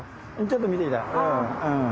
ちょっと見てきたうん。